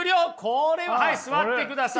これははい座ってください。